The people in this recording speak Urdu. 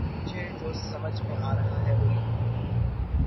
مجھے جو سمجھ میں آرہا ہے وہ لکھوں